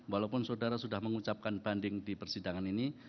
walaupun saudara sudah mengucapkan banding di persidangan ini